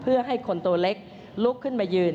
เพื่อให้คนตัวเล็กลุกขึ้นมายืน